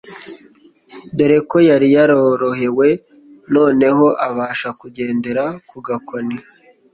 dore ko yari yarorohewe noneho abasha kugendera ku gakoni